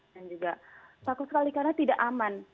dan juga takut sekali karena tidak aman